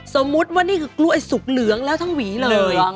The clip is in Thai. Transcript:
สมมุติว่านี่คือกล้วยสุกเหลืองแล้วทั้งหวีเลย